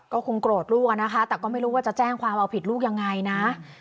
ก็คงโกรธลูกอะนะคะแต่ก็ไม่รู้ว่าจะแจ้งความเอาผิดลูกยังไงนะ